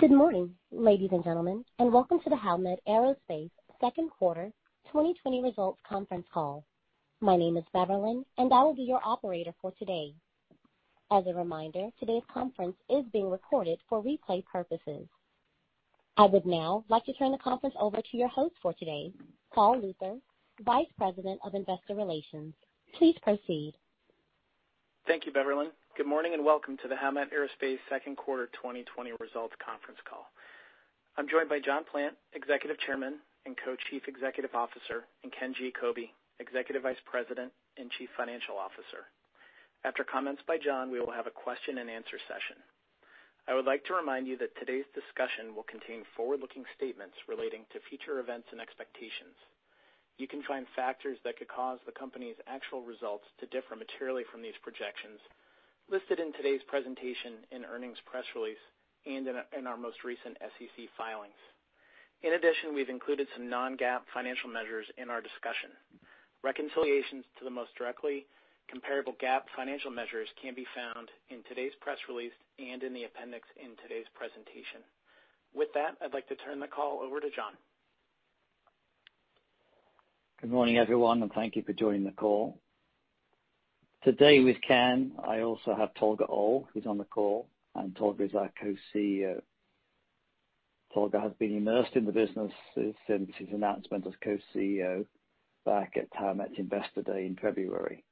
Good morning, ladies and gentlemen, and welcome to the Howmet Aerospace Q2 2020 results conference call. My name is Beverlyn, and I will be your operator for today. As a reminder, today's conference is being recorded for replay purposes. I would now like to turn the conference over to your host for today, Paul Luther, Vice President of Investor Relations. Please proceed. Thank you, Beverlyn. Good morning and welcome to the Howmet Aerospace Q2 2020 results conference call. I'm joined by John Plant, Executive Chairman and Co-Chief Executive Officer, and Ken Giacobbe, Executive Vice President and Chief Financial Officer. After comments by John, we will have a question-and-answer session. I would like to remind you that today's discussion will contain forward-looking statements relating to future events and expectations. You can find factors that could cause the company's actual results to differ materially from these projections listed in today's presentation and earnings press release and in our most recent SEC filings. In addition, we've included some non-GAAP financial measures in our discussion. Reconciliations to the most directly, comparable GAAP financial measures can be found in today's press release and in the appendix in today's presentation. With that, I'd like to turn the call over to John. Good morning, everyone, and thank you for joining the call. Today with Ken, I also have Tolga Oal, who's on the call, and Tolga is our Co-CEO. Tolga has been immersed in the business since his announcement as Co-CEO back at Howmet Investor Day in February.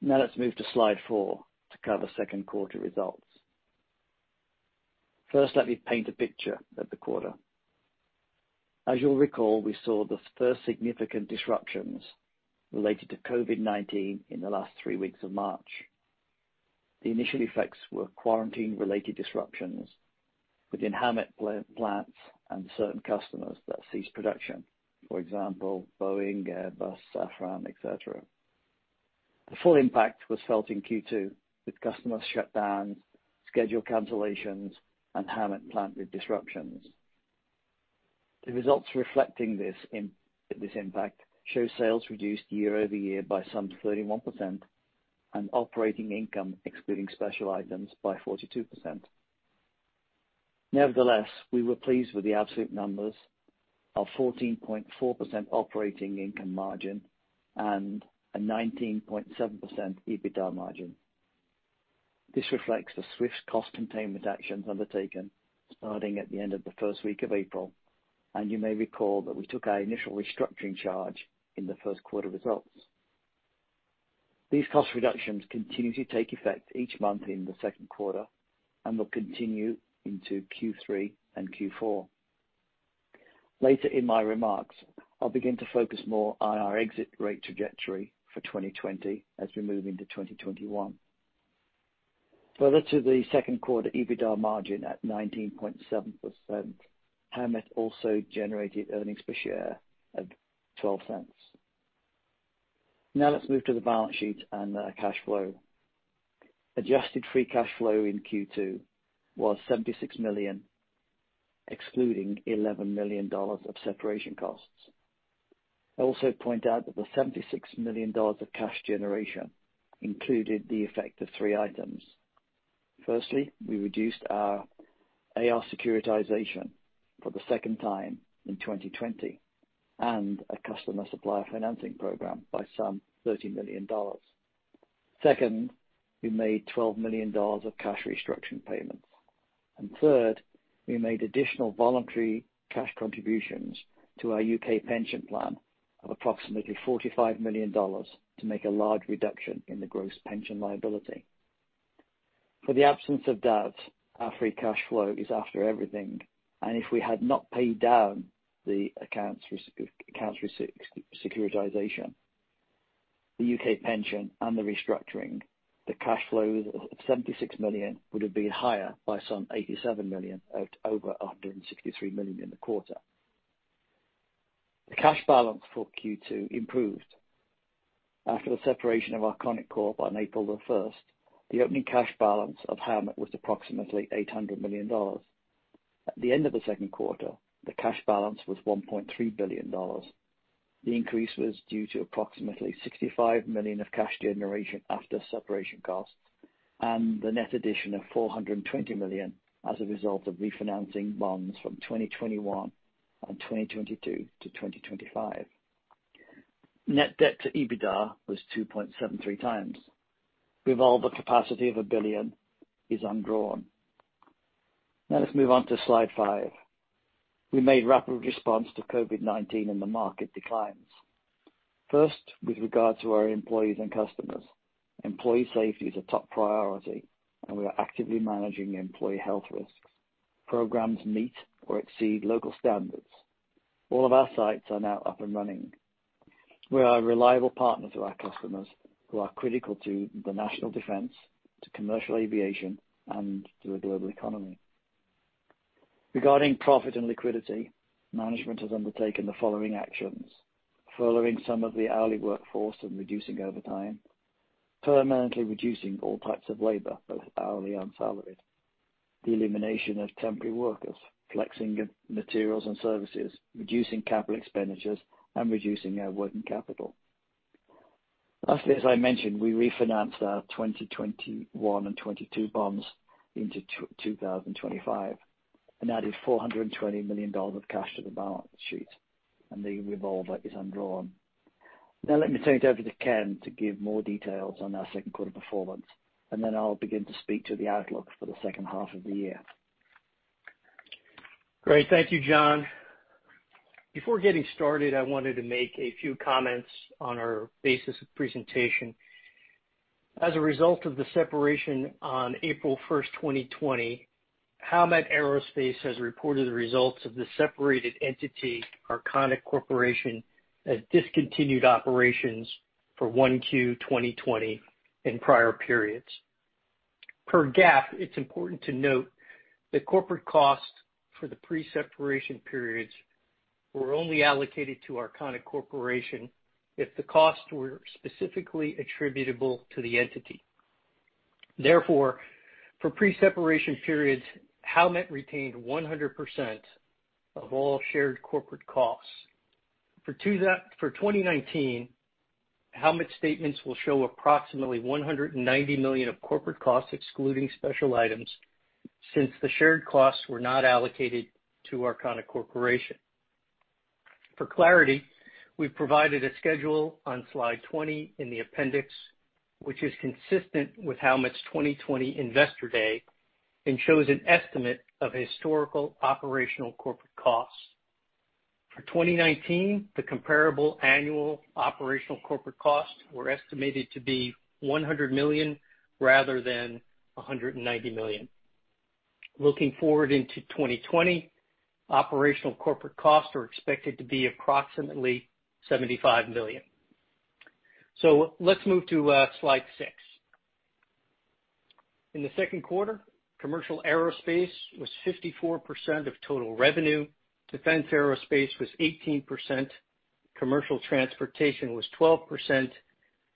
Now let's move to slide four to cover Q2 results. First, let me paint a picture of the quarter. As you'll recall, we saw the first significant disruptions related to COVID-19 in the last three weeks of March. The initial effects were quarantine-related disruptions within Howmet plants and certain customers that ceased production, for example, Boeing, Airbus, Safran, etc. The full impact was felt in Q2 with customer shutdowns, schedule cancellations, and Howmet plants disruptions. The results reflecting this impact show sales reduced year-over-year by some 31% and operating income, excluding special items, by 42%. Nevertheless, we were pleased with the absolute numbers of 14.4% operating income margin and a 19.7% EBITDA margin. This reflects the swift cost containment actions undertaken starting at the end of the first week of April, and you may recall that we took our initial restructuring charge in the Q1 results. These cost reductions continue to take effect each month in Q2 and will continue into Q3 and Q4. Later in my remarks, I'll begin to focus more on our exit rate trajectory for 2020 as we move into 2021. Further to Q2 EBITDA margin at 19.7%, Howmet also generated earnings per share of $0.12. Now let's move to the balance sheet and cash flow. Adjusted free cash flow in Q2 was $76 million, excluding $11 million of separation costs. I also point out that the $76 million of cash generation included the effect of three items. Firstly, we reduced our AR securitization for the second time in 2020 and a customer supplier financing program by some $30 million. Second, we made $12 million of cash restructuring payments. And third, we made additional voluntary cash contributions to our UK pension plan of approximately $45 million to make a large reduction in the gross pension liability. For the absence of DAVs, our free cash flow is after everything, and if we had not paid down the AR securitization, the UK pension and the restructuring, the cash flow of $76 million would have been higher by some $87 million over $163 million in the quarter. The cash balance for Q2 improved. After the separation of Arconic Corporation on 1st April, the opening cash balance of Howmet was approximately $800 million. At the end of Q2, the cash balance was $1.3 billion. The increase was due to approximately $65 million of cash generation after separation costs and the net addition of $420 million as a result of refinancing bonds from 2021 and 2022 to 2025. Net debt to EBITDA was 2.73 times. With all the capacity of $1 billion, it is undrawn. Now let's move on to slide five. We made rapid response to COVID-19 and the market declines. First, with regard to our employees and customers, employee safety is a top priority, and we are actively managing employee health risks. Programs meet or exceed local standards. All of our sites are now up and running. We are a reliable partner to our customers who are critical to the national defense, to commercial aviation, and to the global economy. Regarding profit and liquidity, management has undertaken the following actions: furloughing some of the hourly workforce and reducing overtime, permanently reducing all types of labor, both hourly and salaried, the elimination of temporary workers, flexing materials and services, reducing capital expenditures, and reducing our working capital. Lastly, as I mentioned, we refinanced our 2021 and 2022 bonds into 2025 and added $420 million of cash to the balance sheet, and the revolver is undrawn. Now let me turn it over to Ken to give more details on our Q2 performance, and then I'll begin to speak to the outlook for the second half of the year. Great. Thank you, John. Before getting started, I wanted to make a few comments on our basis of presentation. As a result of the separation on 1st April 2020, Howmet Aerospace has reported the results of the separated entity, Arconic Corporation, as discontinued operations for Q1 2020 and prior periods. Per GAAP, it's important to note that corporate costs for the pre-separation periods were only allocated to Arconic Corporation if the costs were specifically attributable to the entity. Therefore, for pre-separation periods, Howmet retained 100% of all shared corporate costs. For 2019, Howmet statements will show approximately $190 million of corporate costs, excluding special items, since the shared costs were not allocated to Arconic Corporation. For clarity, we've provided a schedule on slide 20 in the appendix, which is consistent with Howmet's 2020 Investor Day and shows an estimate of historical operational corporate costs. For 2019, the comparable annual operational corporate costs were estimated to be $100 million rather than $190 million. Looking forward into 2020, operational corporate costs are expected to be approximately $75 million. So let's move to slide six. In Q2, commercial aerospace was 54% of total revenue. Defense aerospace was 18%, commercial transportation was 12%,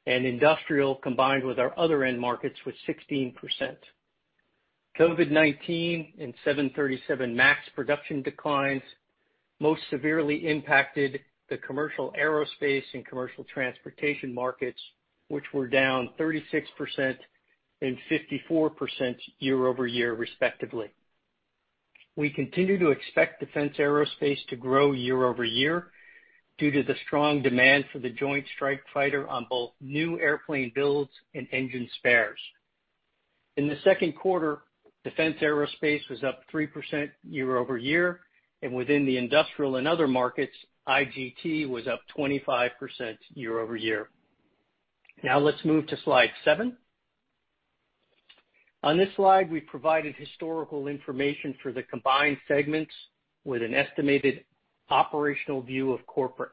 and industrial, combined with our other end markets, was 16%. COVID-19 and 737 MAX production declines most severely impacted the commercial aerospace and commercial transportation markets, which were down 36% and 54% year-over-year, respectively. We continue to expect defense aerospace to grow year-over-year due to the strong demand for the Joint Strike Fighter on both new airplane builds and engine spares. In Q2, defense aerospace was up 3% year-over-year, and within the industrial and other markets, IGT was up 25% year-over-year. Now let's move to slide seven. On this slide, we've provided historical information for the combined segments with an estimated operational view of corporate.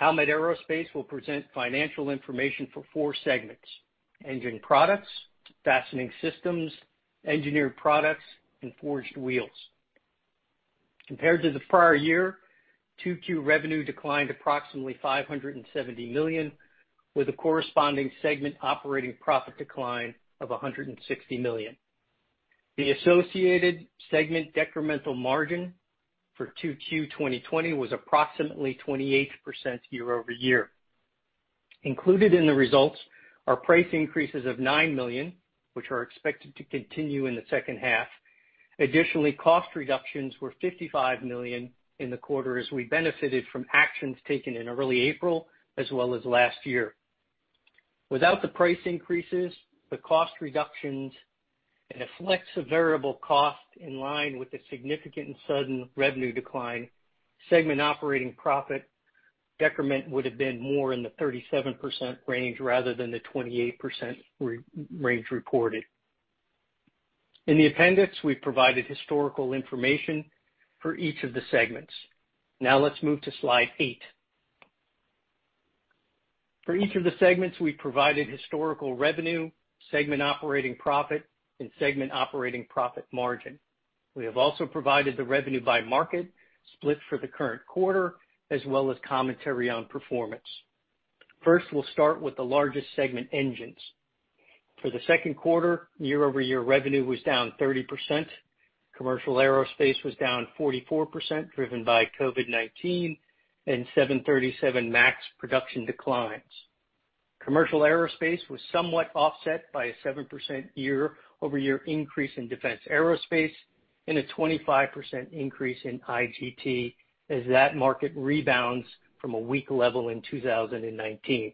Howmet Aerospace will present financial information for four segments: engine products, fastening systems, engineered products, and forged wheels. Compared to the prior year, Q2 revenue declined approximately $570 million, with a corresponding segment operating profit decline of $160 million. The associated segment decremental margin for Q2 2020 was approximately 28% year-over-year. Included in the results are price increases of $9 million, which are expected to continue in the second half. Additionally, cost reductions were $55 million in the quarter, as we benefited from actions taken in early April as well as last year. Without the price increases, the cost reductions and a flex variable cost in line with the significant and sudden revenue decline, segment operating profit decrement would have been more in the 37% range rather than the 28% range reported. In the appendix, we've provided historical information for each of the segments. Now let's move to slide eight. For each of the segments, we've provided historical revenue, segment operating profit, and segment operating profit margin. We have also provided the revenue by market split for the current quarter, as well as commentary on performance. First, we'll start with the largest segment, engines. For Q2, year-over-year, revenue was down 30%. Commercial aerospace was down 44%, driven by COVID-19 and 737 MAX production declines. Commercial aerospace was somewhat offset by a 7% year-over-year increase in defense aerospace and a 25% increase in IGT, as that market rebounds from a weak level in 2019.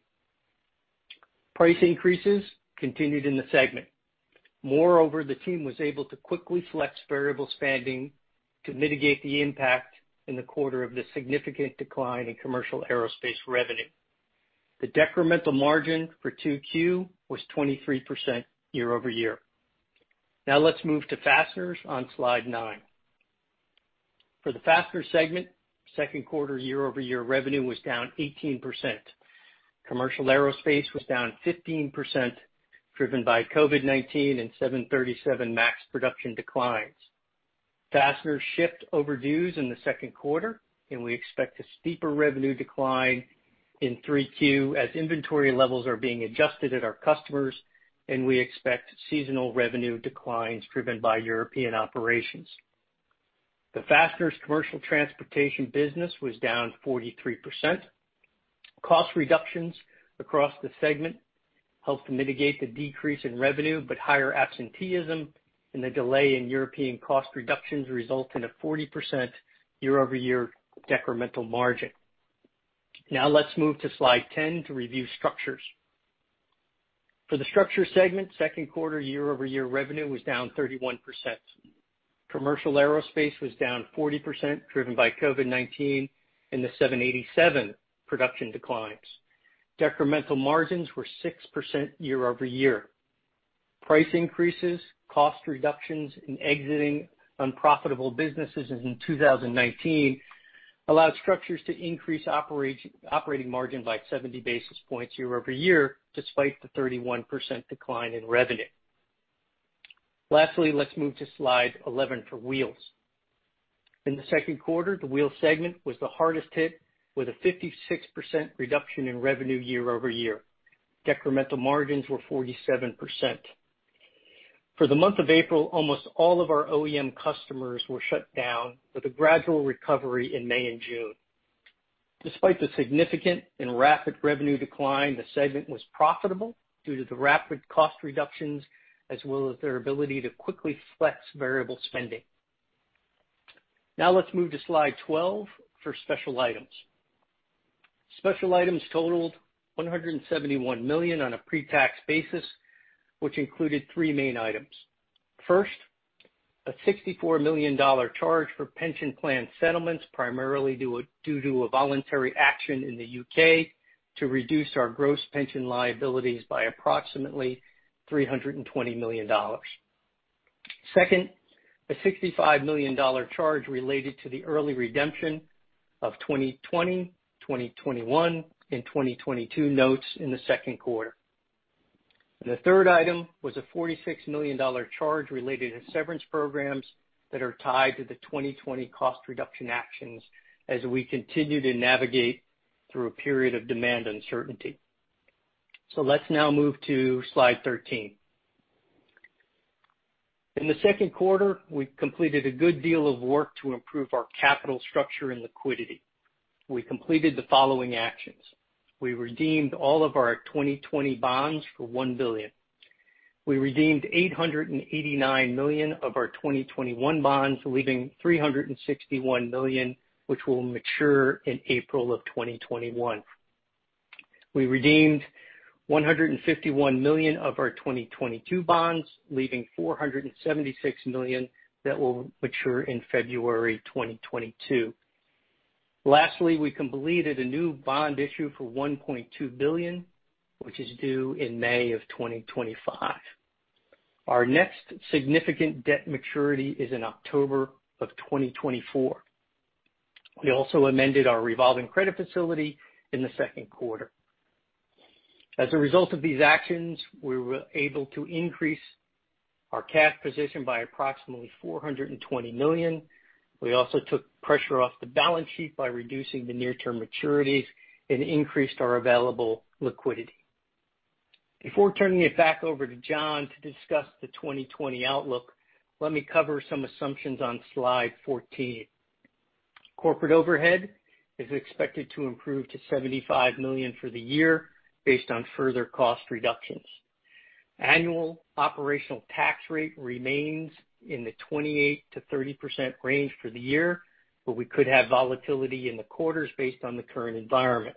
Price increases continued in the segment. Moreover, the team was able to quickly flex variable spending to mitigate the impact in the quarter of the significant decline in commercial aerospace revenue. The decremental margin for Q2 was 23% year-over-year. Now let's move to fasteners on slide nine. For the fastener segment, Q2 year-over-year revenue was down 18%. Commercial aerospace was down 15%, driven by COVID-19, and 737 MAX production declines. Fasteners shift overdues in Q2, and we expect a steeper revenue decline in Q3 as inventory levels are being adjusted at our customers, and we expect seasonal revenue declines driven by European operations. The fasteners commercial transportation business was down 43%. Cost reductions across the segment helped to mitigate the decrease in revenue, but higher absenteeism and the delay in European cost reductions result in a 40% year-over-year decremental margin. Now let's move to slide 10 to review structures. For the structure segment, Q2 year-over-year revenue was down 31%. Commercial aerospace was down 40%, driven by COVID-19 and the 787 production declines. Decremental margins were 6% year-over-year. Price increases, cost reductions, and exiting unprofitable businesses in 2019 allowed structures to increase operating margin by 70 basis points year-over-year, despite the 31% decline in revenue. Lastly, let's move to slide 11 for wheels. In Q2, the wheel segment was the hardest hit, with a 56% reduction in revenue year-over-year. Decremental margins were 47%. For the month of April, almost all of our OEM customers were shut down, with a gradual recovery in May and June. Despite the significant and rapid revenue decline, the segment was profitable due to the rapid cost reductions as well as their ability to quickly flex variable spending. Now let's move to slide 12 for special items. Special items totaled $171 million on a pre-tax basis, which included three main items. First, a $64 million charge for pension plan settlements, primarily due to a voluntary action in the U.K. to reduce our gross pension liabilities by approximately $320 million. Second, a $65 million charge related to the early redemption of 2020, 2021, and 2022 notes in Q2. The third item was a $46 million charge related to severance programs that are tied to the 2020 cost reduction actions as we continue to navigate through a period of demand uncertainty. So let's now move to slide 13. In Q2, we completed a good deal of work to improve our capital structure and liquidity. We completed the following actions. We redeemed all of our 2020 bonds for $1 billion. We redeemed $889 million of our 2021 bonds, leaving $361 million, which will mature in April of 2021. We redeemed $151 million of our 2022 bonds, leaving $476 million that will mature in February 2022. Lastly, we completed a new bond issue for $1.2 billion, which is due in May of 2025. Our next significant debt maturity is in October of 2024. We also amended our revolving credit facility in Q2. As a result of these actions, we were able to increase our cash position by approximately $420 million. We also took pressure off the balance sheet by reducing the near-term maturities and increased our available liquidity. Before turning it back over to John to discuss the 2020 outlook, let me cover some assumptions on slide 14. Corporate overhead is expected to improve to $75 million for the year based on further cost reductions. Annual operational tax rate remains in the 28% to 30% range for the year, but we could have volatility in the quarters based on the current environment.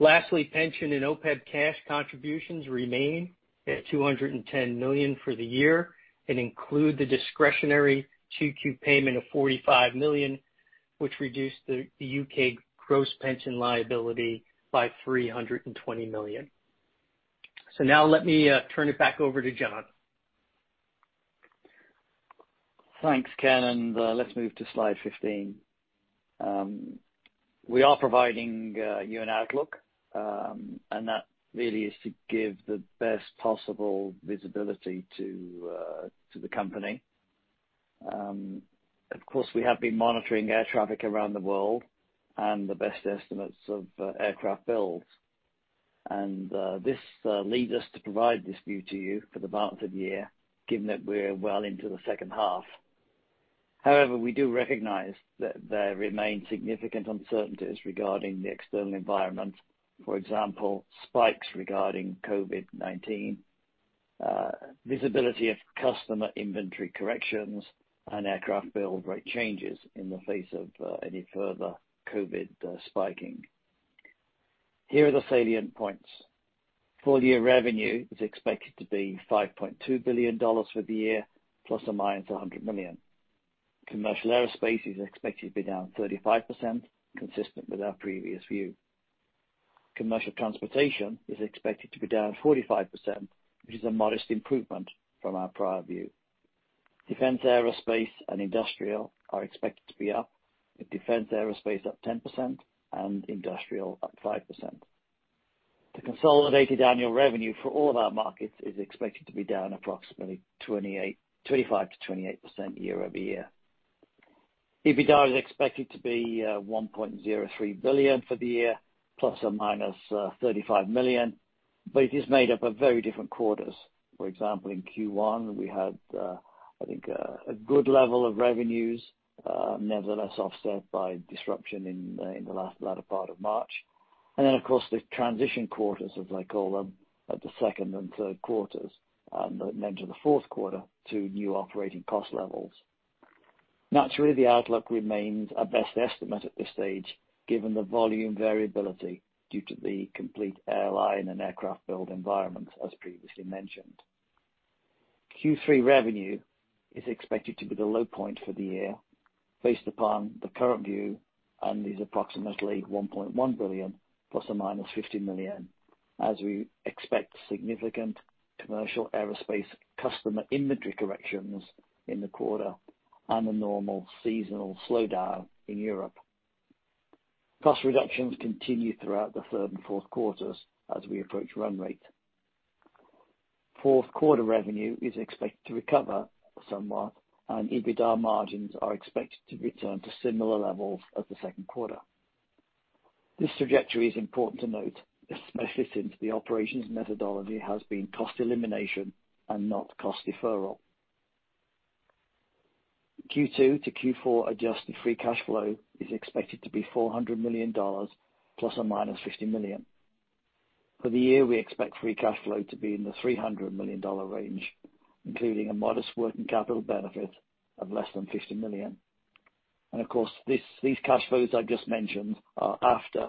Lastly, pension and OPEB cash contributions remain at $210 million for the year and include the discretionary Q2 payment of $45 million, which reduced the UK gross pension liability by $320 million, so now let me turn it back over to John. Thanks, Ken. And let's move to slide 15. We are providing you an outlook, and that really is to give the best possible visibility to the company. Of course, we have been monitoring air traffic around the world and the best estimates of aircraft builds. And this leads us to provide this view to you for the balance of the year, given that we're well into the second half. However, we do recognize that there remain significant uncertainties regarding the external environment, for example, spikes regarding COVID-19, visibility of customer inventory corrections, and aircraft build rate changes in the face of any further COVID spiking. Here are the salient points. Full-year revenue is expected to be $5.2 billion for the year, plus or minus $100 million. Commercial aerospace is expected to be down 35%, consistent with our previous view. Commercial transportation is expected to be down 45%, which is a modest improvement from our prior view. Defense aerospace and industrial are expected to be up, with defense aerospace up 10% and industrial up 5%. The consolidated annual revenue for all of our markets is expected to be down approximately 25% to 28% year-over-year. EBITDA is expected to be $1.03 billion for the year, plus or minus $35 million, but it is made up of very different quarters. For example, in Q1, we had, I think, a good level of revenues, nevertheless offset by disruption in the latter part of March, and then, of course, the transition quarters, as I call them, Q2 and Q3, and then to Q4, to new operating cost levels. Naturally, the outlook remains a best estimate at this stage, given the volume variability due to the complete airline and aircraft build environment, as previously mentioned. Q3 revenue is expected to be the low point for the year, based upon the current view, and is approximately $1.1 billion, plus or minus $50 million, as we expect significant commercial aerospace customer inventory corrections in the quarter and a normal seasonal slowdown in Europe. Cost reductions continue throughout Q3 and Q4 as we approach run rate. Q4 revenue is expected to recover somewhat, and EBITDA margins are expected to return to similar levels as Q2. This trajectory is important to note, especially since the operations methodology has been cost elimination and not cost deferral. Q2 to Q4 adjusted free cash flow is expected to be $400 million, plus or minus $50 million. For the year, we expect free cash flow to be in the $300 million range, including a modest working capital benefit of less than $50 million. And of course, these cash flows I've just mentioned are after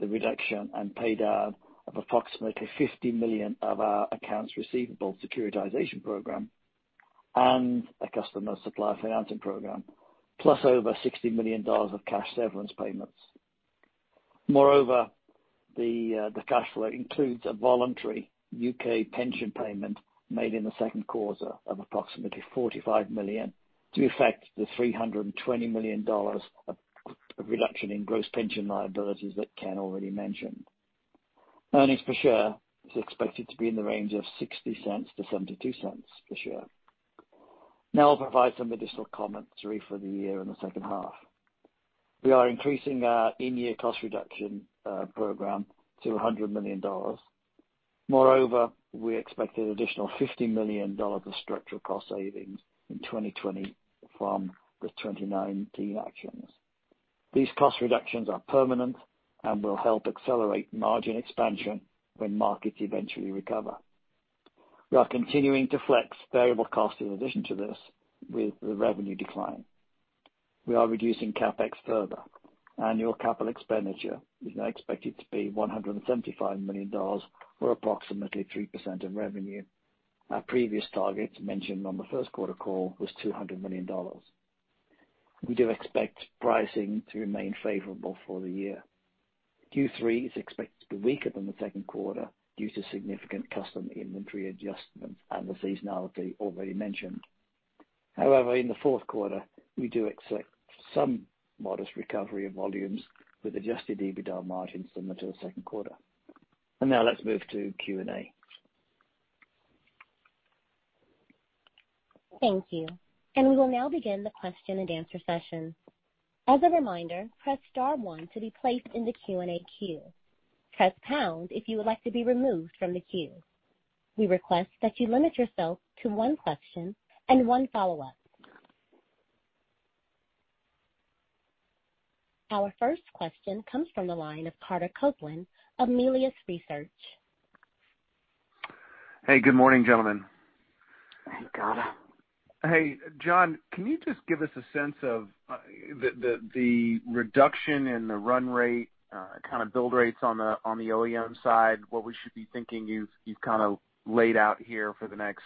the reduction and paydown of approximately $50 million of our accounts receivable securitization program and a customer supply financing program, plus over $60 million of cash severance payments. Moreover, the cash flow includes a voluntary UK pension payment made in Q2 of approximately $45 million to affect the $320 million of reduction in gross pension liabilities that Ken already mentioned. Earnings per share is expected to be in the range of $0.60 to $0.72 per share. Now I'll provide some additional commentary for the year in the second half. We are increasing our in-year cost reduction program to $100 million. Moreover, we expect an additional $50 million of structural cost savings in 2020 from the 2019 actions. These cost reductions are permanent and will help accelerate margin expansion when markets eventually recover. We are continuing to flex variable costs in addition to this with the revenue decline. We are reducing CapEx further. Annual capital expenditure is now expected to be $175 million or approximately 3% of revenue. Our previous target mentioned on Q1 call was $200 million. We do expect pricing to remain favorable for the year. Q3 is expected to be weaker than Q2 due to significant customer inventory adjustments and the seasonality already mentioned. However, in Q4, we do expect some modest recovery of volumes with adjusted EBITDA margins similar to Q2, and now let's move to Q&A. Thank you. And we will now begin the question and answer session. As a reminder, press star one to be placed in the Q&A queue. Press pound if you would like to be removed from the queue. We request that you limit yourself to one question and one follow-up. Our first question comes from the line of Carter Copeland of Melius Research. Hey, good morning, gentlemen. Hey, Carter. Hey, John, can you just give us a sense of the reduction in the run rate, kind of build rates on the OEM side, what we should be thinking you've kind of laid out here for the next,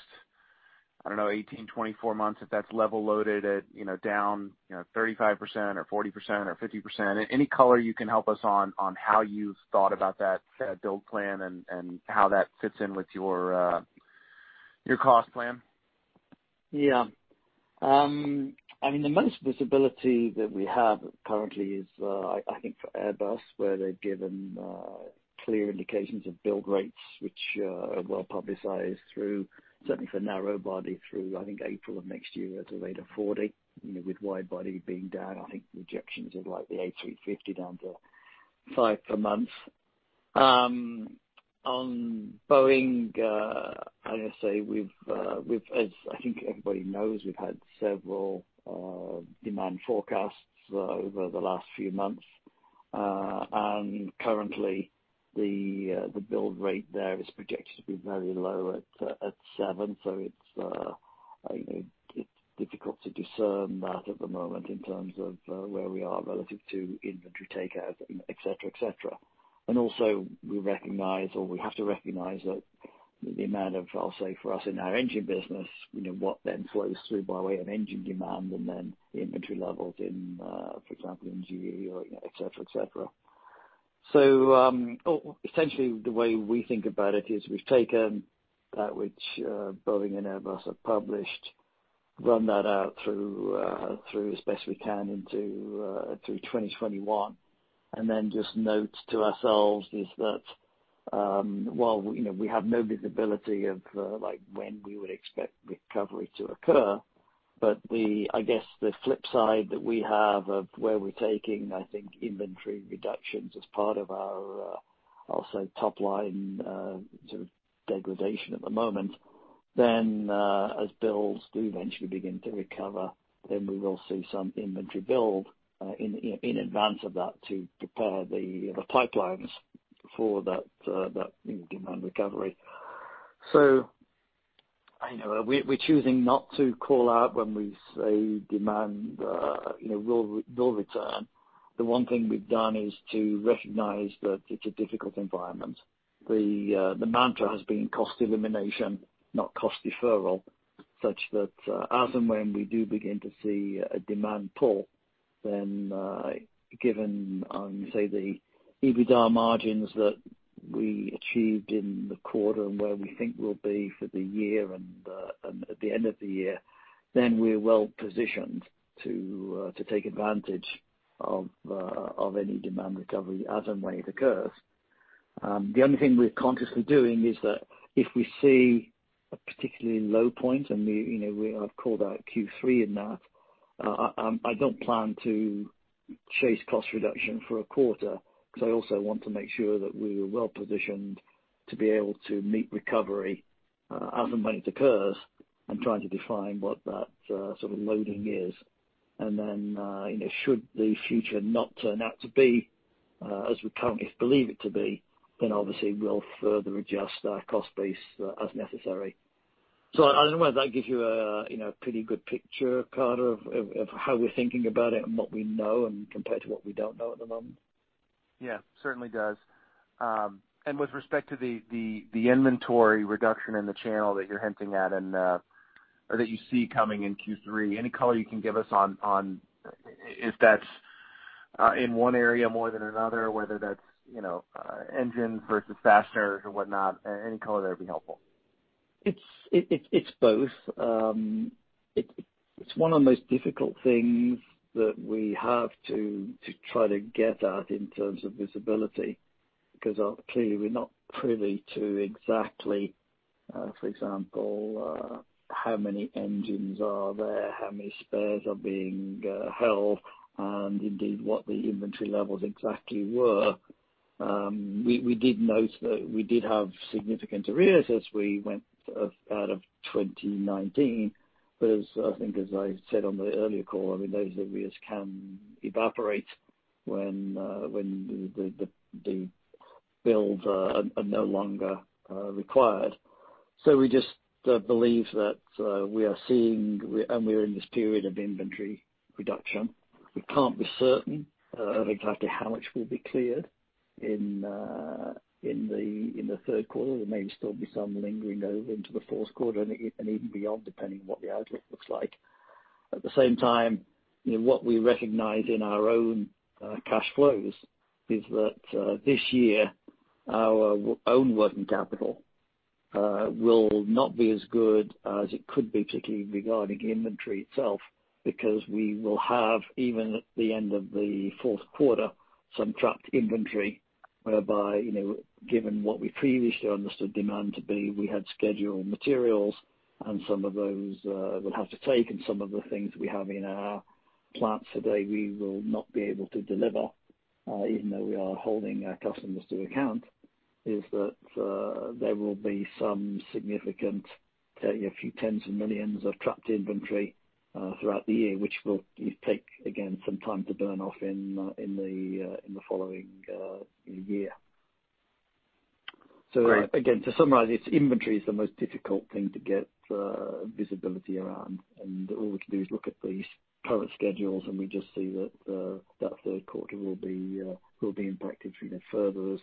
I don't know, 18 to 24 months, if that's level loaded at down 35% or 40% or 50%? Any color you can help us on how you've thought about that build plan and how that fits in with your cost plan? Yeah. I mean, the most visibility that we have currently is, I think, for Airbus, where they've given clear indications of build rates, which are well publicized through, certainly for narrow body, through, I think, April of next year as a rate of 40, with wide body being down. I think reductions are like the A350 down to five per month. On Boeing, I'd say, as I think everybody knows, we've had several demand forecasts over the last few months, and currently, the build rate there is projected to be very low at seven, so it's difficult to discern that at the moment in terms of where we are relative to inventory takeout, etc., And also, we recognize, or we have to recognize that the amount of, I'll say, for us in our engine business, what then flows through by way of engine demand and then inventory levels in, for example, in GE, etc.. So essentially, the way we think about it is we've taken that which Boeing and Airbus have published, run that out through as best we can through 2021. And then just note to ourselves is that while we have no visibility of when we would expect recovery to occur, but I guess the flip side that we have of where we're taking, I think, inventory reductions as part of our, I'll say, top line sort of degradation at the moment. Then as builds do eventually begin to recover, then we will see some inventory build in advance of that to prepare the pipelines for that demand recovery. So we're choosing not to call out when we say demand will return. The one thing we've done is to recognize that it's a difficult environment. The mantra has been cost elimination, not cost deferral, such that as and when we do begin to see a demand pull, then given, I'm going to say, the EBITDA margins that we achieved in the quarter and where we think we'll be for the year and at the end of the year, then we're well-positioned to take advantage of any demand recovery as and when it occurs. The only thing we're consciously doing is that if we see a particularly low point, and I've called out Q3 in that, I don't plan to chase cost reduction for a quarter because I also want to make sure that we are well positioned to be able to meet recovery as and when it occurs and trying to define what that sort of loading is. And then should the future not turn out to be as we currently believe it to be, then obviously we'll further adjust our cost base as necessary. So I don't know whether that gives you a pretty good picture, Carter, of how we're thinking about it and what we know and compared to what we don't know at the moment. Yeah, certainly does, and with respect to the inventory reduction in the channel that you're hinting at or that you see coming in Q3, any color you can give us on if that's in one area more than another, whether that's engines versus fasteners or whatnot? Any color that would be helpful. It's both. It's one of the most difficult things that we have to try to get at in terms of visibility because clearly we're not privy to exactly, for example, how many engines are there, how many spares are being held, and indeed what the inventory levels exactly were. We did note that we did have significant arrears as we went out of 2019. But I think, as I said on the earlier call, I mean, those arrears can evaporate when the builds are no longer required. So we just believe that we are seeing and we're in this period of inventory reduction. We can't be certain of exactly how much will be cleared in Q3. There may still be some lingering over into Q4 and even beyond, depending on what the outlook looks like. At the same time, what we recognize in our own cash flows is that this year our own working capital will not be as good as it could be, particularly regarding inventory itself, because we will have, even at the end of Q4, some trapped inventory, whereby, given what we previously understood demand to be, we had scheduled materials and some of those would have to take, and some of the things we have in our plants today we will not be able to deliver, even though we are holding our customers to account. Is that there will be some significant, a few tens of millions of trapped inventory throughout the year, which will take, again, some time to burn off in the following year. So again, to summarize, it's inventory is the most difficult thing to get visibility around. All we can do is look at these current schedules, and we just see that Q3 will be impacted further as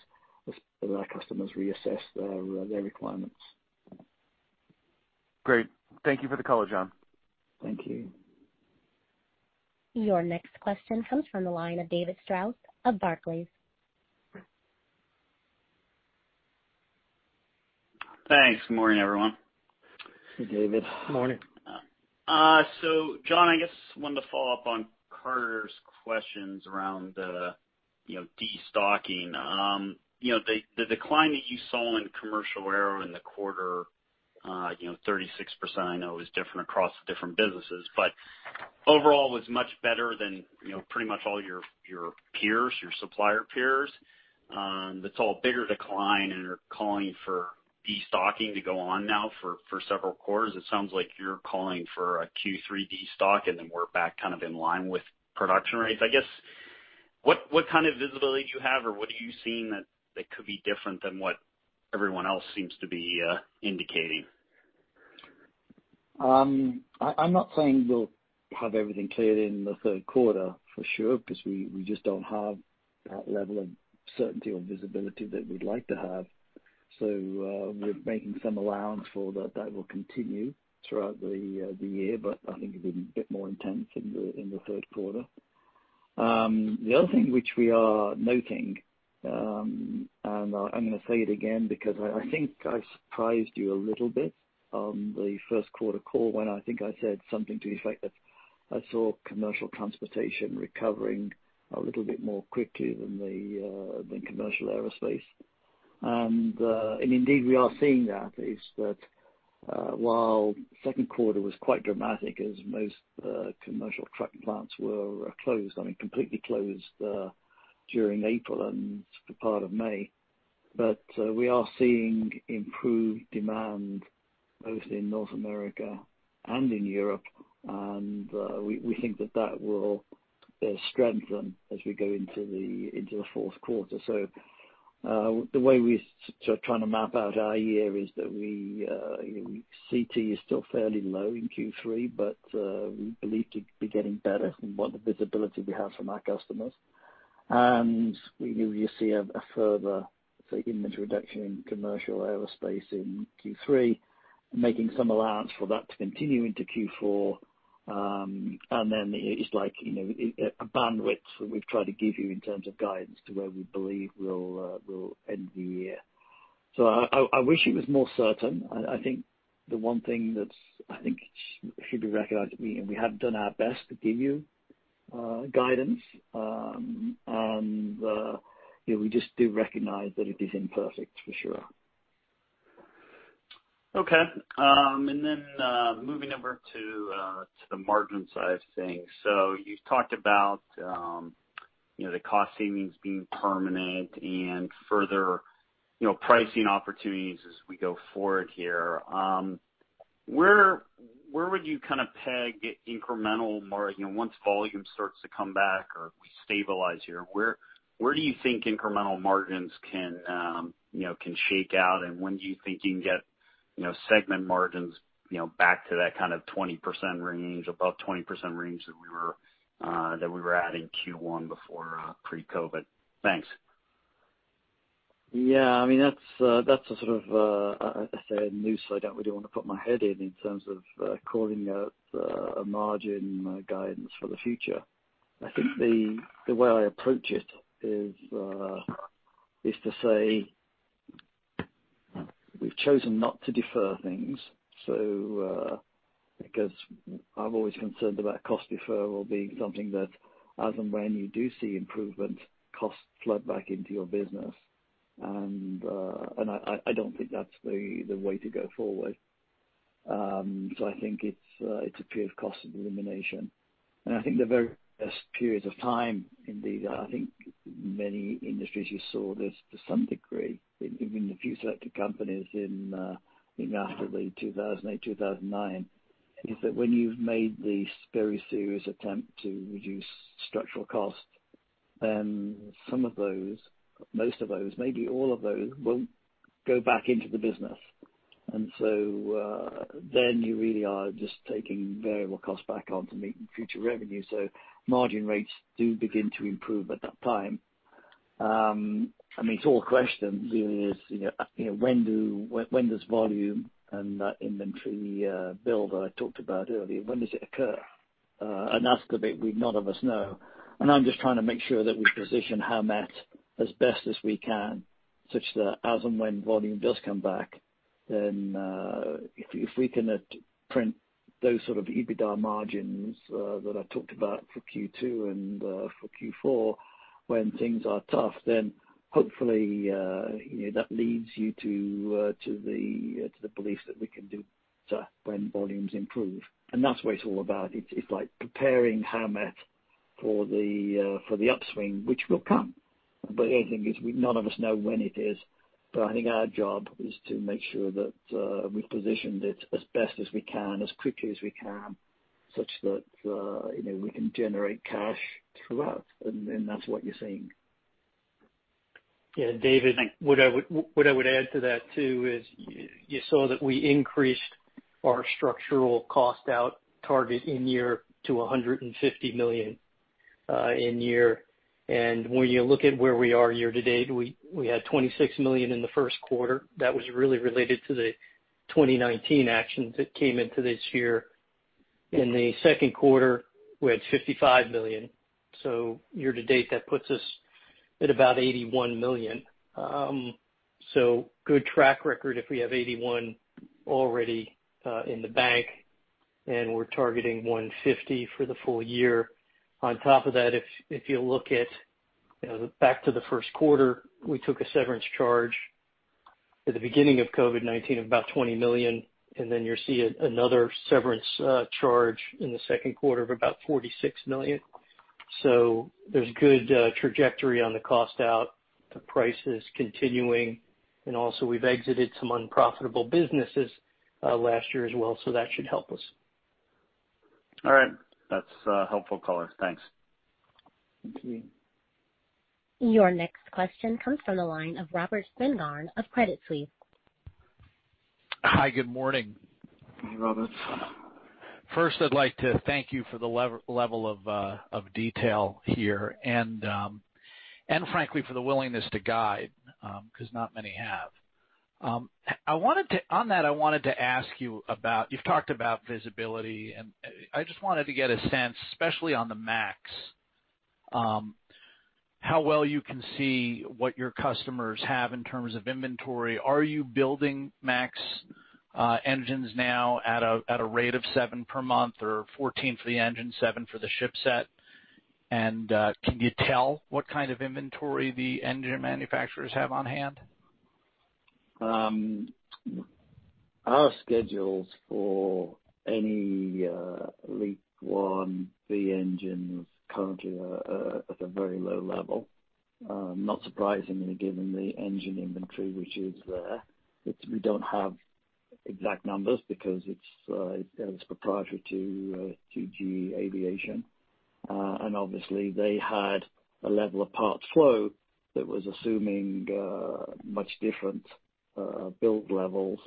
our customers reassess their requirements. Great. Thank you for the color, John. Thank you. Your next question comes from the line of David Strauss of Barclays. Thanks. Good morning, everyone. Hey, David. Morning. So, John, I guess I wanted to follow up on Carter's questions around destocking. The decline that you saw in commercial aero in the quarter, 36%, I know, is different across the different businesses, but overall was much better than pretty much all your peers, your supplier peers. It's a bigger decline, and you're calling for destocking to go on now for several quarters. It sounds like you're calling for a Q3 destock, and then we're back kind of in line with production rates. I guess, what kind of visibility do you have, or what are you seeing that could be different than what everyone else seems to be indicating? I'm not saying we'll have everything cleared in Q3 for sure because we just don't have that level of certainty or visibility that we'd like to have. So we're making some allowance for that that will continue throughout the year, but I think it'll be a bit more intense in Q3. The other thing which we are noting, and I'm going to say it again because I think I surprised you a little bit on Q1 call when I think I said something to the effect that I saw commercial transportation recovering a little bit more quickly than commercial aerospace. Indeed, we are seeing that is, that while Q2 was quite dramatic as most commercial truck plants were closed, I mean, completely closed during April and part of May, but we are seeing improved demand both in North America and in Europe. And we think that that will strengthen as we go into Q4. So the way we're sort of trying to map out our year is that CT is still fairly low in Q3, but we believe to be getting better from what the visibility we have from our customers. And we just see a further, say, inventory reduction in commercial aerospace in Q3, making some allowance for that to continue into Q4. And then it's like a bandwidth that we've tried to give you in terms of guidance to where we believe we'll end the year. So I wish it was more certain. I think the one thing that I think should be recognized, we have done our best to give you guidance, and we just do recognize that it is imperfect for sure. Okay. And then moving over to the margin side of things. So you've talked about the cost savings being permanent and further pricing opportunities as we go forward here. Where would you kind of peg incremental margin once volume starts to come back or we stabilize here? Where do you think incremental margins can shake out, and when do you think you can get segment margins back to that kind of 20% range, above 20% range that we were at in Q1 before pre-COVID? Thanks. Yeah. I mean, that's a sort of, I'd say, a new slide I really want to put my head in in terms of calling out a margin guidance for the future. I think the way I approach it is to say we've chosen not to defer things. So because I've always been concerned about cost deferral being something that as and when you do see improvement, costs flood back into your business. And I don't think that's the way to go forward. So I think it's a period of cost elimination. And I think the very best period of time, indeed, I think many industries you saw this to some degree in the few selected companies after the 2008, 2009, is that when you've made these very serious attempts to reduce structural costs, then some of those, most of those, maybe all of those will go back into the business. And so then you really are just taking variable costs back on to meet future revenue. So margin rates do begin to improve at that time. I mean, it's all questions. When does volume and inventory build that I talked about earlier, when does it occur? And the rest of it, none of us know. And I'm just trying to make sure that we position Howmet as best as we can, such that as and when volume does come back, then if we can print those sort of EBITDA margins that I talked about for Q2 and for Q4, when things are tough, then hopefully that leads you to the belief that we can do better when volumes improve. And that's what it's all about. It's like preparing Howmet for the upswing, which will come. But the other thing is none of us know when it is. But I think our job is to make sure that we've positioned it as best as we can, as quickly as we can, such that we can generate cash throughout. And then that's what you're seeing. Yeah. David. What I would add to that too is you saw that we increased our structural cost out target in year to $150 million in year. And when you look at where we are year to date, we had $26 million in Q1. That was really related to the 2019 actions that came into this year. In Q2, we had $55 million. So year to date, that puts us at about $81 million. So good track record if we have 81 already in the bank, and we're targeting 150 for the full year. On top of that, if you look back to Q1, we took a severance charge at the beginning of COVID-19 of about $20 million, and then you'll see another severance charge in Q2 of about $46 million. So there's good trajectory on the cost out. The pricing is continuing. And also, we've exited some unprofitable businesses last year as well, so that should help us. All right. That's helpful color. Thanks. Thank you. Your next question comes from the line of Robert Spingarn of Credit Suisse. Hi, good morning. Hey, Robert. First, I'd like to thank you for the level of detail here and, frankly, for the willingness to guide because not many have. On that, I wanted to ask you about you've talked about visibility, and I just wanted to get a sense, especially on the MAX, how well you can see what your customers have in terms of inventory. Are you building MAX engines now at a rate of seven per month or 14 for the engine, seven for the shipset? And can you tell what kind of inventory the engine manufacturers have on hand? Our schedules for any LEAP-1B engines currently are at a very low level. Not surprisingly, given the engine inventory which is there. We don't have exact numbers because it's proprietary to GE Aviation. And obviously, they had a level of parts flow that was assuming much different build levels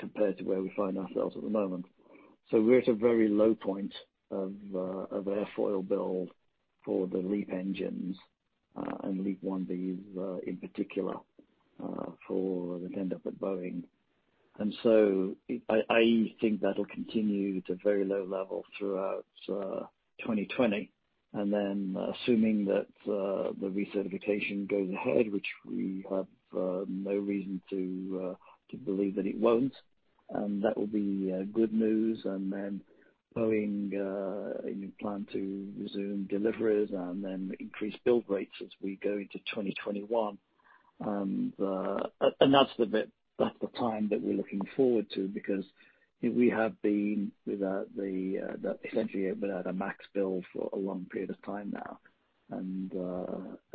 compared to where we find ourselves at the moment. So we're at a very low point of airfoil build for the LEAP engines and LEAP-1B's in particular for the 737 for Boeing. And so I think that'll continue to a very low level throughout 2020. Then assuming that the recertification goes ahead, which we have no reason to believe that it won't, and that will be good news. And then Boeing planned to resume deliveries and then increase build rates as we go into 2021. And that's the time that we're looking forward to because we have been essentially without a MAX build for a long period of time now. I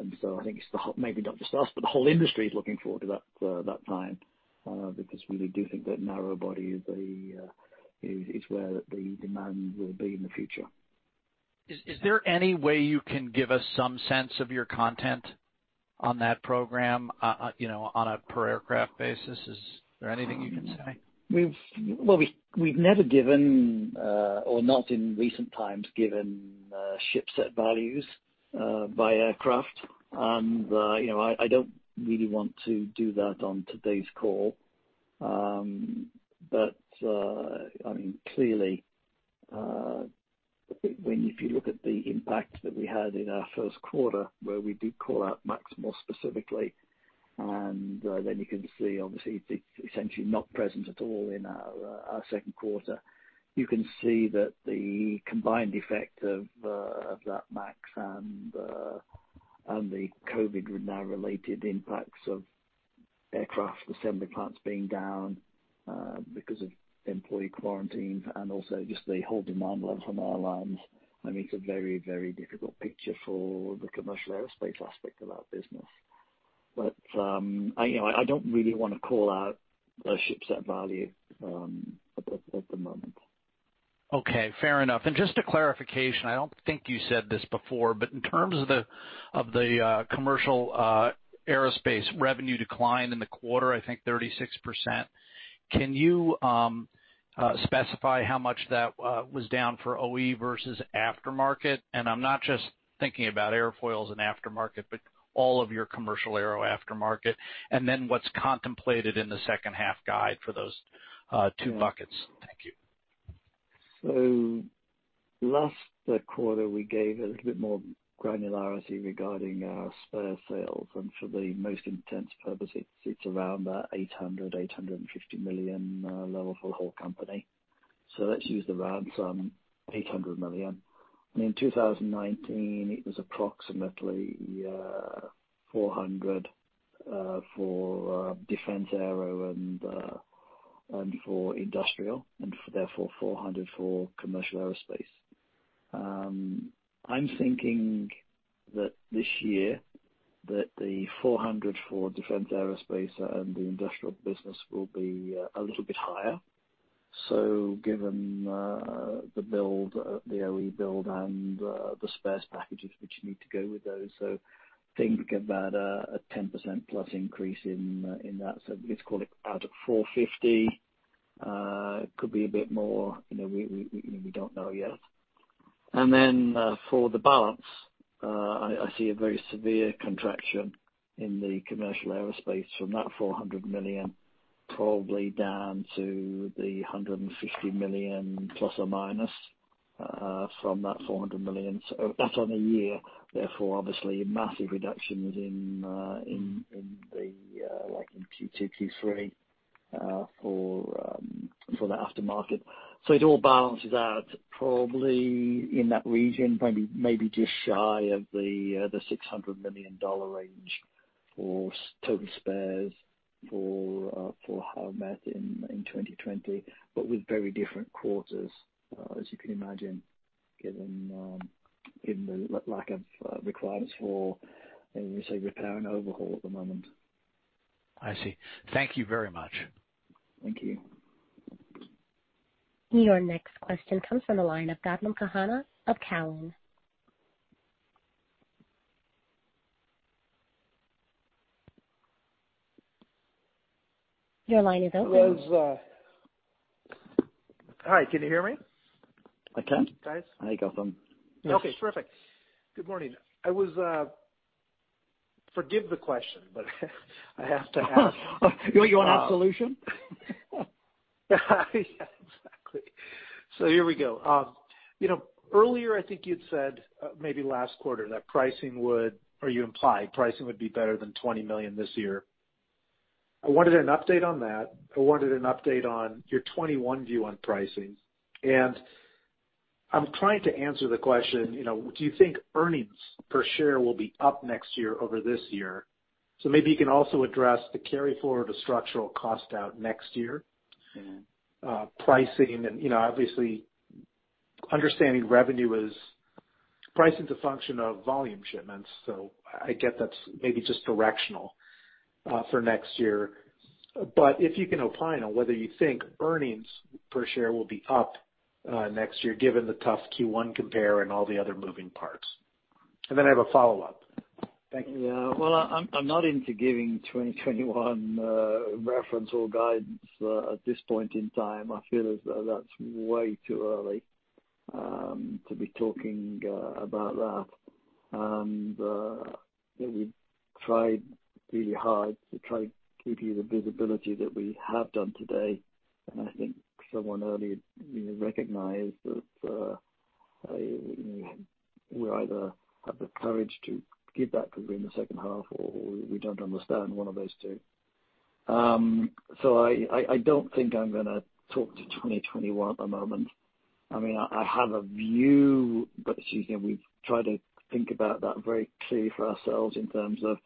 think it's maybe not just us, but the whole industry is looking forward to that time because we do think that narrow body is where the demand will be in the future. Is there any way you can give us some sense of your content on that program on a per aircraft basis? Is there anything you can say? We've never given or not in recent times given shipset values by aircraft. I don't really want to do that on today's call. I mean, clearly, if you look at the impact that we had in our first quarter, where we did call out MAX more specifically, and then you can see, obviously, it's essentially not present at all in our Q2. You can see that the combined effect of that MAX and the COVID-19 related impacts of aircraft assembly plants being down because of employee quarantines and also just the whole demand level from airlines. I mean, it's a very, very difficult picture for the commercial aerospace aspect of our business. I don't really want to call out a shipset value at the moment. Okay. Fair enough. And just a clarification, I don't think you said this before, but in terms of the commercial aerospace revenue decline in the quarter, I think 36%. Can you specify how much that was down for OE versus aftermarket? I'm not just thinking about airfoils and aftermarket, but all of your commercial aero aftermarket. Then what's contemplated in the second half guide for those two buckets? Thank you. So last quarter, we gave a little bit more granularity regarding our spare sales. And for all intents and purposes, it's around $800-$850 million level for the whole company. So let's use the round sum $800 million. In 2019, it was approximately $400 million for defense aero and for industrial, and therefore $400 million for commercial aerospace. I'm thinking that this year the $400 million for defense aerospace and the industrial business will be a little bit higher. So given the build, the OE build, and the spares packages which need to go with those, so think about a 10% plus increase in that. So let's call it 450. It could be a bit more. We don't know yet. Then for the balance, I see a very severe contraction in the commercial aerospace from that $400 million, probably down to the $150 million plus or minus from that $400 million. That's on a year. Therefore, obviously, massive reductions in Q2, Q3 for the aftermarket. It all balances out probably in that region, maybe just shy of the $600 million range for total spares for Howmet in 2020, but with very different quarters, as you can imagine, given the lack of requirements for, say, repair and overhaul at the moment. I see. Thank you very much. Thank you. Your next question comes from the line of Gautam Khanna of Cowen. Your line is open. Hi. Can you hear me? Hi, Gautam. Okay. Perfect. Good morning. I beg forgiveness for the question, but I have to ask. You want an absolution? Yeah. Exactly. So here we go. Earlier, I think you'd said maybe last quarter that pricing would, or you implied pricing would be better than $20 million this year. I wanted an update on that. I wanted an update on your 2021 view on pricing. And I'm trying to answer the question, do you think earnings per share will be up next year over this year? So maybe you can also address the carry forward of structural cost out next year, pricing, and obviously, understanding revenue is pricing is a function of volume shipments. So I get that's maybe just directional for next year. But if you can opine on whether you think earnings per share will be up next year, given the tough Q1 compare and all the other moving parts. Then I have a follow-up. Thank you. Yeah. Well, I'm not into giving 2021 reference or guidance at this point in time. I feel as though that's way too early to be talking about that. We tried really hard to try to give you the visibility that we have done today. I think someone earlier recognized that we either have the courage to give that for the second half or we don't understand one of those two. So I don't think I'm going to talk to 2021 at the moment. I mean, I have a view, but we've tried to think about that very clearly for ourselves in terms of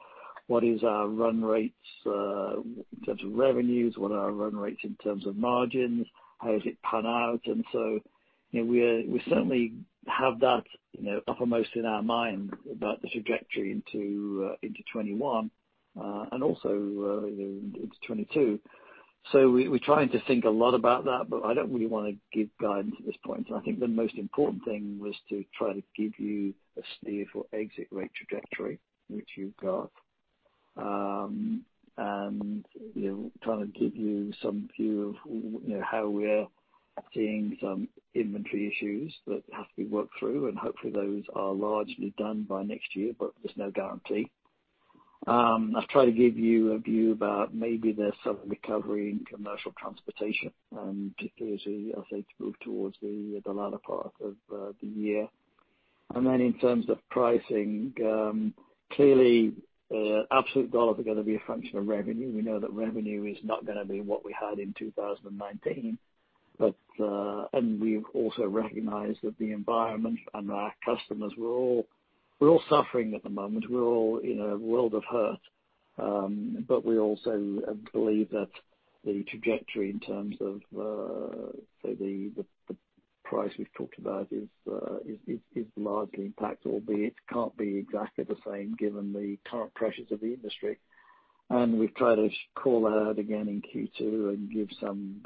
what is our run rates in terms of revenues, what are our run rates in terms of margins, how does it pan out? We certainly have that uppermost in our mind about the trajectory into 2021 and also into 2022. So we're trying to think a lot about that, but I don't really want to give guidance at this point. And I think the most important thing was to try to give you a steer for exit rate trajectory, which you've got. Trying to give you some view of how we're seeing some inventory issues that have to be worked through. And hopefully, those are largely done by next year, but there's no guarantee. I've tried to give you a view about maybe there's some recovery in commercial transportation and particularly as they move towards the later part of the year. Then in terms of pricing, clearly, absolute dollars are going to be a function of revenue. We know that revenue is not going to be what we had in 2019. And we've also recognized that the environment and our customers were all suffering at the moment. We're all in a world of hurt. But we also believe that the trajectory in terms of the price we've talked about is largely impacted, albeit it can't be exactly the same given the current pressures of the industry and we've tried to call that out again in Q2 and give some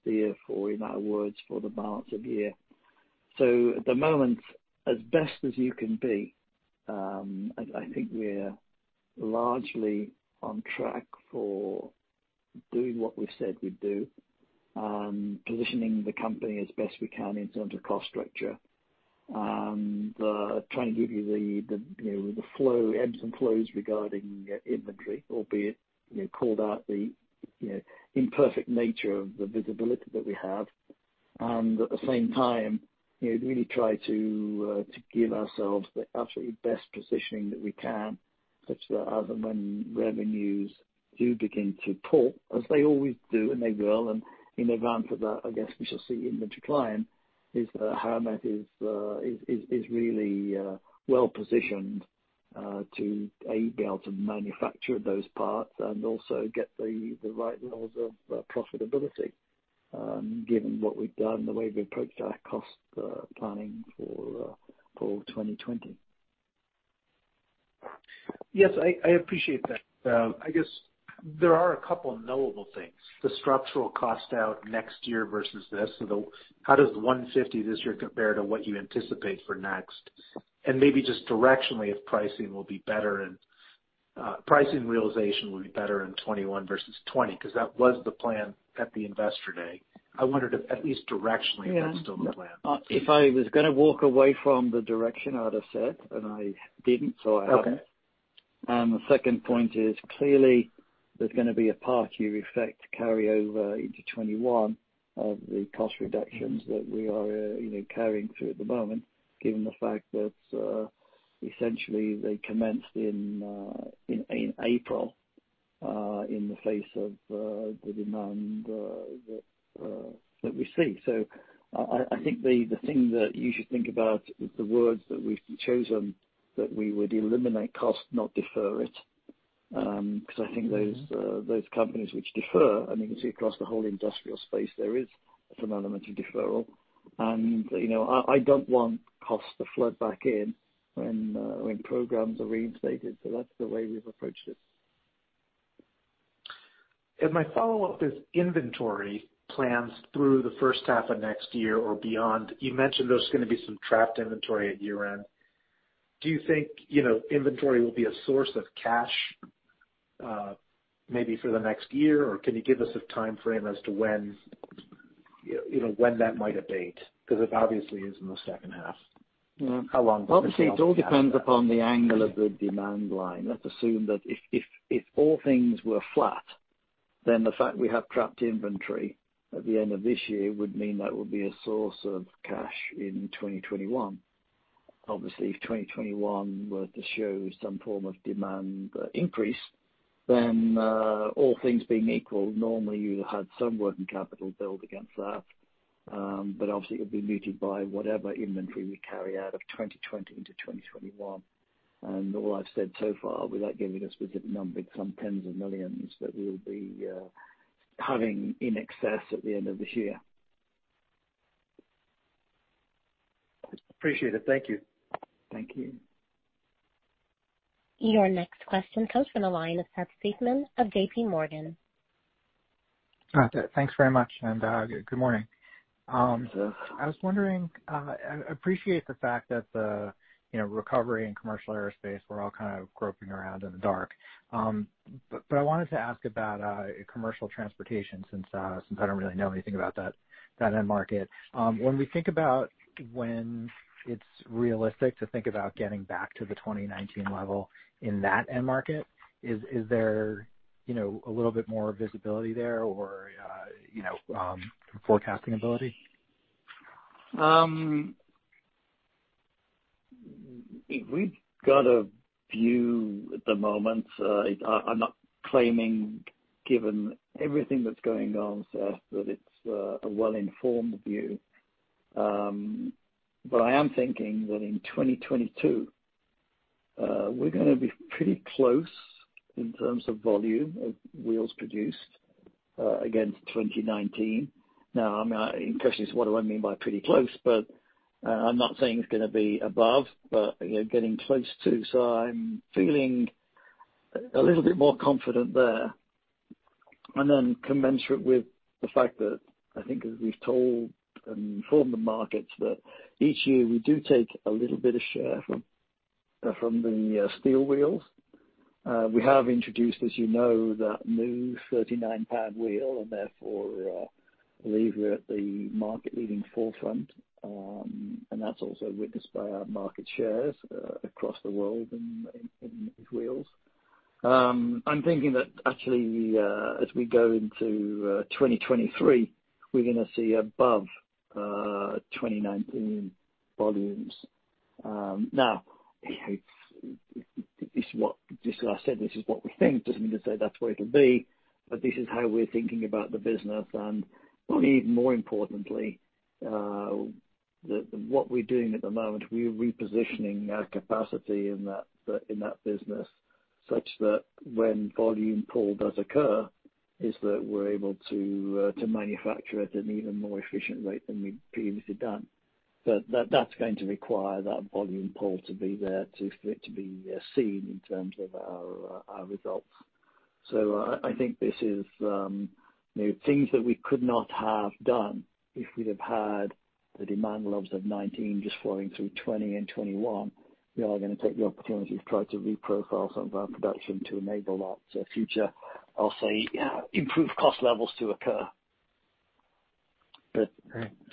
steer for, in our words, for the balance of year. So at the moment, as best as you can be, I think we're largely on track for doing what we've said we'd do and positioning the company as best we can in terms of cost structure. And trying to give you the flow, ebbs and flows regarding inventory, albeit called out the imperfect nature of the visibility that we have. And at the same time, really try to give ourselves the absolute best positioning that we can, such that as and when revenues do begin to pull, as they always do and they will, and in advance of that, I guess we shall see inventory climb, that is, Howmet is really well-positioned to be able to manufacture those parts and also get the right levels of profitability given what we've done and the way we've approached our cost planning for 2020. Yes, I appreciate that. I guess there are a couple of knowable things. The structural cost out next year versus this. So how does 150 this year compare to what you anticipate for next? Maybe just directionally, if pricing will be better and pricing realization will be better in 2021 versus 2020 because that was the plan at the investor day. I wondered if at least directionally, if that's still the plan. If I was going to walk away from the direction I'd have said, and I didn't, so I haven't, and the second point is clearly there's going to be a parity effect carryover into 2021 of the cost reductions that we are carrying through at the moment, given the fact that essentially they commenced in April in the face of the demand that we see, so I think the thing that you should think about is the words that we've chosen that we would eliminate cost, not defer it, because I think those companies which defer, I mean, you see across the whole industrial space, there is some element of deferral, and I don't want cost to flood back in when programs are reinstated, so that's the way we've approached it. My follow-up is inventory plans through the first half of next year or beyond, you mentioned there's going to be some trapped inventory at year-end. Do you think inventory will be a source of cash maybe for the next year, or can you give us a timeframe as to when that might abate? Because it obviously is in the second half. How long does it take? Obviously, it all depends upon the angle of the demand line. Let's assume that if all things were flat, then the fact we have trapped inventory at the end of this year would mean that would be a source of cash in 2021. Obviously, if 2021 were to show some form of demand increase, then all things being equal, normally you'll have had some working capital build against that. But obviously, it'll be muted by whatever inventory we carry out of 2020 into 2021. All I've said so far, without giving a specific number, it's some tens of millions that we'll be having in excess at the end of this year. Appreciate it. Thank you. Thank you. Your next question comes from the line of Seth Seifman of JPMorgan. Thanks very much and good morning. I was wondering, I appreciate the fact that the recovery and commercial aerospace were all kind of groping around in the dark, but I wanted to ask about commercial transportation since I don't really know anything about that end market. When we think about when it's realistic to think about getting back to the 2019 level in that end market, is there a little bit more visibility there or forecasting ability? We've got a view at the moment. I'm not claiming, given everything that's going on, Seth, that it's a well-informed view. But I am thinking that in 2022, we're going to be pretty close in terms of volume of wheels produced against 2019. Now, I mean, the question is, what do I mean by pretty close? But I'm not saying it's going to be above, but getting close to. So I'm feeling a little bit more confident there. Then commensurate with the fact that I think we've told and informed the markets that each year we do take a little bit of share from the steel wheels. We have introduced, as you know, that new 39-pound wheel, and therefore I believe we're at the market-leading forefront. And that's also witnessed by our market shares across the world and in these wheels. I'm thinking that actually, as we go into 2023, we're going to see above 2019 volumes. Now, this is what I said, this is what we think. It doesn't mean to say that's where it'll be, but this is how we're thinking about the business, and probably even more importantly, what we're doing at the moment, we're repositioning our capacity in that business such that when volume pull does occur, is that we're able to manufacture at an even more efficient rate than we've previously done, but that's going to require that volume pull to be there to be seen in terms of our results. I think this is things that we could not have done if we'd have had the demand levels of 2019 just flowing through 2020 and 2021. We are going to take the opportunity to try to reprofile some of our production to enable that future, I'll say, improved cost levels to occur.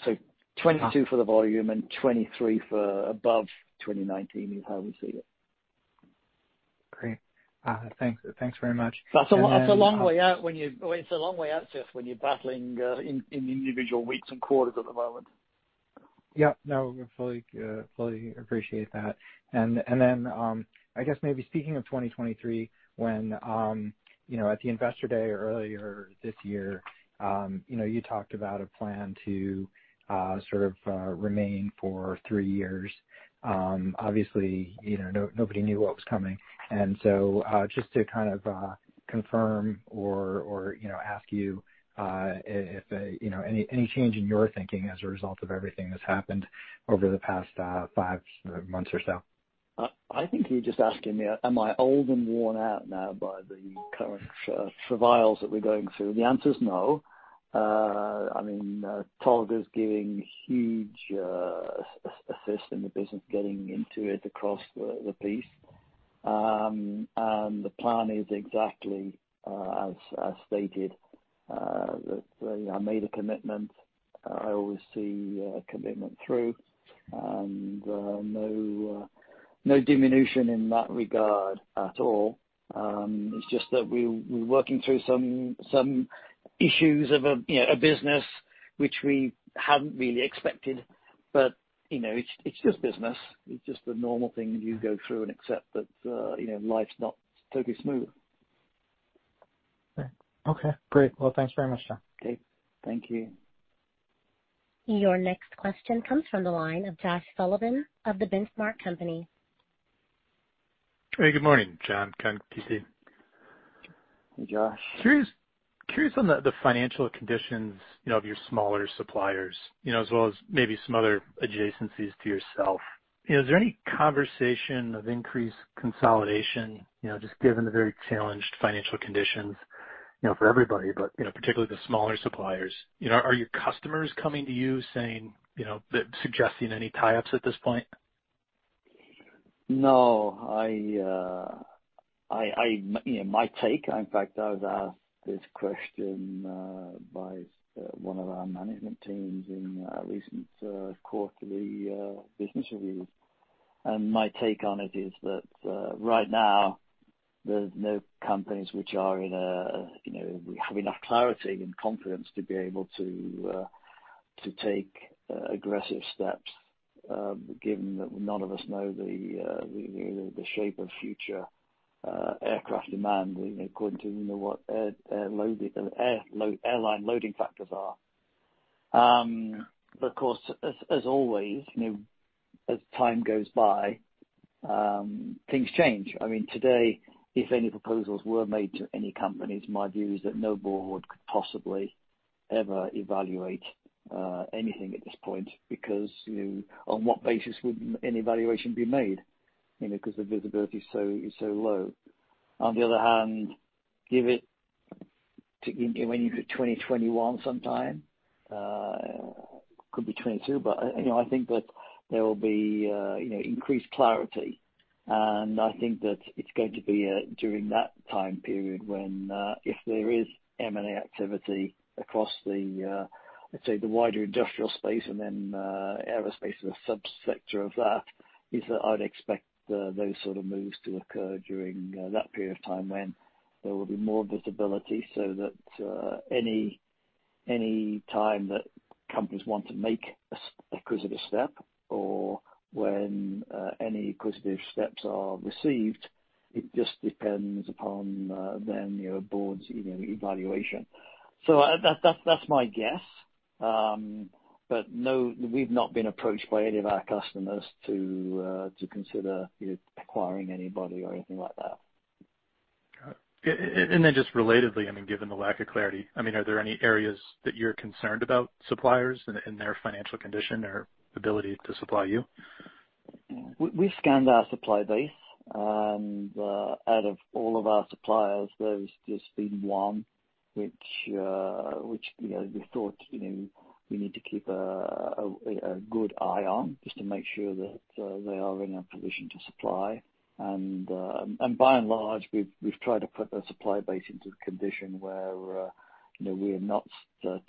So 2022 for the volume and 2023 for above 2019 is how we see it. Great. Thanks very much. That's a long way out, Seth, when you're battling in individual weeks and quarters at the moment. Yep. No, we fully appreciate that. Then I guess maybe speaking of 2023, when at the investor day earlier this year, you talked about a plan to sort of remain for three years. Obviously, nobody knew what was coming. And so just to kind of confirm or ask you if any change in your thinking as a result of everything that's happened over the past five months or so? I think you're just asking me, am I old and worn out now by the current survivals that we're going through? The answer is no. I mean, Ken is giving huge assist in the business, getting into it across the piece. And the plan is exactly as stated, that I made a commitment. I always see a commitment through. And no diminution in that regard at all. It's just that we're working through some issues of a business which we hadn't really expected. But it's just business. It's just the normal thing you go through and accept that life's not totally smooth. Okay. Great. Well, thanks very much, John. Okay. Thank you. Your next question comes from the line of Josh Sullivan of The Benchmark Company. Hey, good morning, John Plant. Hey, Josh. Curious on the financial conditions of your smaller suppliers, as well as maybe some other adjacencies to yourself. Is there any conversation of increased consolidation, just given the very challenged financial conditions for everybody, but particularly the smaller suppliers? Are your customers coming to you suggesting any tie-ups at this point? No. My take, in fact, I was asked this question by one of our management teams in a recent quarterly business review. And my take on it is that right now, there's no companies which are in a we have enough clarity and confidence to be able to take aggressive steps, given that none of us know the shape of future aircraft demand, according to what airline load factors are. But of course, as always, as time goes by, things change. I mean, today, if any proposals were made to any companies, my view is that no board could possibly ever evaluate anything at this point because on what basis would an evaluation be made? Because the visibility is so low. On the other hand, give it when you're in 2021 sometime, could be 2022, but I think that there will be increased clarity. And I think that it's going to be during that time period when, if there is M&A activity across, let's say, the wider industrial space and then aerospace as a subsector of that, that I'd expect those sort of moves to occur during that period of time when there will be more visibility so that any time that companies want to make an acquisitive step or when any acquisitive steps are received, it just depends upon the board's evaluation. So that's my guess. But no, we've not been approached by any of our customers to consider acquiring anybody or anything like that. And then just relatedly, I mean, given the lack of clarity, I mean, are there any areas that you're concerned about suppliers and their financial condition or ability to supply you? We've scanned our supply base, and out of all of our suppliers, there's just been one which we thought we need to keep a good eye on just to make sure that they are in a position to supply. By and large, we've tried to put the supply base into a condition where we are not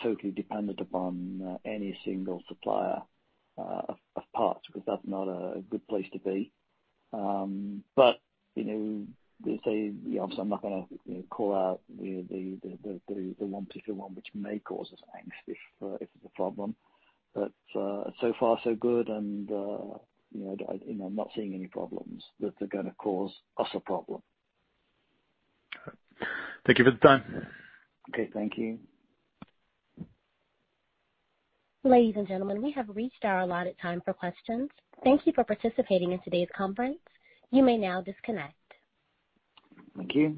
totally dependent upon any single supplier of parts because that's not a good place to be, but they say, obviously, I'm not going to call out the one particular one which may cause us angst if it's a problem. But so far, so good, and I'm not seeing any problems that are going to cause us a problem. Thank you for the time. Okay. Thank you. Ladies and gentlemen, we have reached our allotted time for questions. Thank you for participating in today's conference. You may now disconnect. Thank you.